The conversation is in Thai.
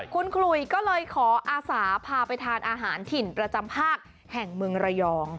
คุณขลุยก็เลยขออาสาพาไปทานอาหารถิ่นประจำภาคแห่งเมืองระยอง